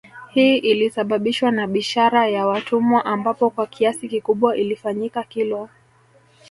Hii ilisababishwa na bishara ya watumwa ambapo kwa kiasi kikubwa ilifanyika Kilwa